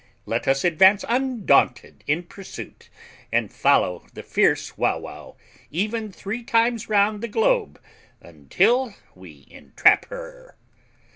Let us advance undaunted in pursuit, and follow the fierce Wauwau even three times round the globe, until we entrap her."